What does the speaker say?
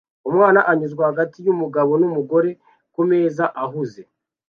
Umwana anyuzwa hagati yumugabo numugore kumeza ahuze